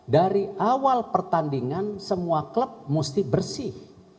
dari awal pertandingan semua klub mesti bersih